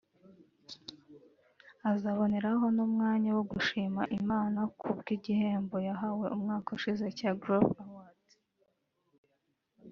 azaboneraho n’umwanya wo gushima Imana ku bw’igihembo yahawe umwaka ushize cya Groove Award